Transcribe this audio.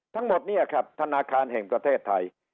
ทั้งหมดเนี่ยครับธนาคารแห่งประเทศไทย